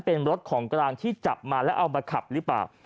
เป็นรถของกลางที่จับมาแล้วเอามาขับหรือเปล่า